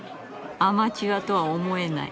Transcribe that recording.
アマチュアとは思えない。